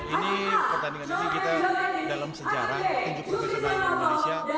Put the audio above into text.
ini pertandingan ini kita dalam sejarah petinju profesional indonesia